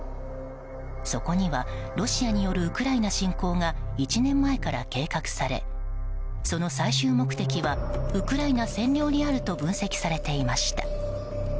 そこには、ロシアによるウクライナ侵攻が１年前から計画されその最終目的はウクライナ占領にあると分析されていました。